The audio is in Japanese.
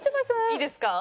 いいですか？